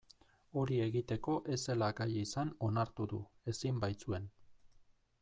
Hori egiteko ez zela gai izan onartu du, ezin baitzuen.